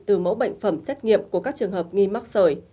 từ mẫu bệnh phẩm xét nghiệm của các trường hợp nghi mắc sởi